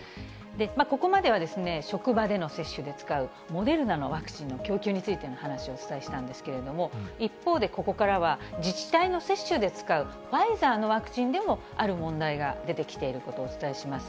ここまでは職場での接種で使うモデルナのワクチンの供給についての話をお伝えしたんですけれども、一方で、ここからは自治体の接種で使う、ファイザーのワクチンでも、ある問題が出てきていることをお伝えします。